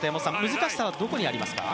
難しさはどこにありますか？